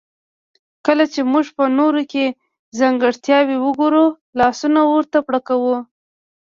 کله چې موږ په نورو کې ځانګړتياوې وګورو لاسونه ورته پړکوو.